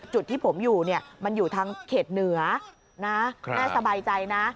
จุดที่ผมอยู่เนี่ยมันอยู่ทางเขตเหนือนะแม่สบายใจนะ